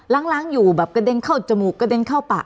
ล้างอยู่แบบกระเด็นเข้าจมูกกระเด็นเข้าปาก